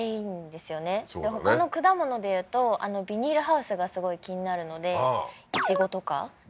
でほかの果物でいうとあのビニールハウスがすごい気になるのでいちごとか？